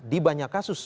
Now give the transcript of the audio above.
di banyak kasus